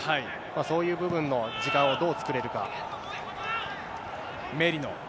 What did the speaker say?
そういう部分の時間をどう作れるメリノ。